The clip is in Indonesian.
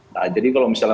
nah jadi kalau misalnya